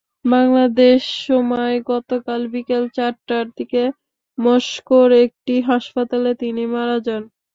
বাংলাদেশ সময় গতকাল বিকেল চারটার দিকে মস্কোর একটি হাসপাতালে তিনি মারা যান।